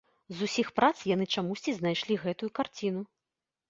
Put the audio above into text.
З усіх прац яны чамусьці знайшлі гэтую карціну.